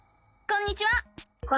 こんにちは。